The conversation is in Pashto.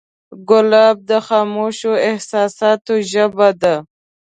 ګلاب د خاموشو احساساتو ژبه ده.